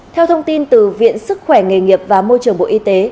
theo thông tin từ viện sức khỏe nghề nghiệp và môi trường bộ y tế